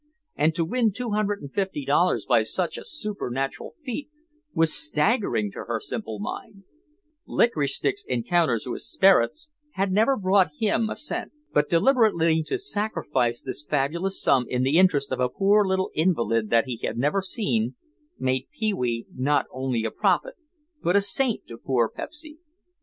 And to win two hundred and fifty dollars by such a supernatural feat was staggering to her simple mind. Licorice Stick's encounters with "sperrits" had never brought him a cent. But deliberately to sacrifice this fabulous sum in the interest of a poor little invalid that he had never seen, made Pee wee not only a prophet but a saint to poor Pepsy.